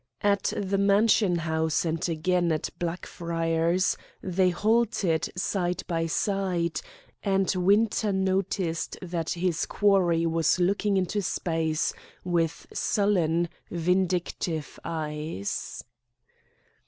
At the Mansion House, and again at Blackfriars, they halted side by side, and Winter noticed that his quarry was looking into space with sullen, vindictive eyes.